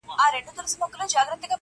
دردونه څنګه خطاباسې د ټکور تر کلي!